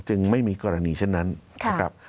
ไม่มีกรณีเช่นนั้นนะครับ